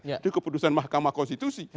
itu keputusan mahkamah konstitusi